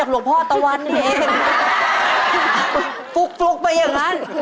ฟลุกไปอย่างนั้น